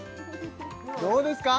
どうですか？